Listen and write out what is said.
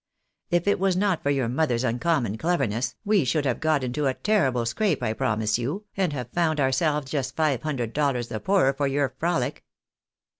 If it was not for your mother's un common cleverness, we should have got into a terrible scrape, I promise you, and have found ourselves just five hundred dollars the poorer for your frolic."